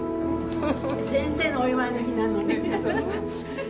先生のお祝いの日なのに。